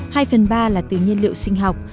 hai phần ba là từ nhiên liệu sinh học